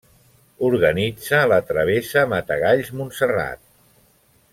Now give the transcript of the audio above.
Organitza la Travessa Matagalls-Montserrat.